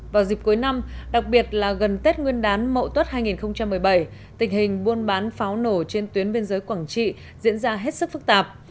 vào dịp cuối năm đặc biệt là gần tết nguyên đán mậu tuất hai nghìn một mươi bảy tình hình buôn bán pháo nổ trên tuyến biên giới quảng trị diễn ra hết sức phức tạp